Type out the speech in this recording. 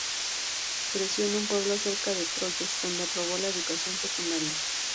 Creció en un pueblo cerca de Troyes, donde aprobó la educación secundaria.